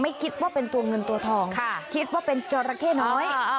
ไม่คิดว่าเป็นตัวเงินตัวทองค่ะคิดว่าเป็นเจ้าระแข้น้อยอ่า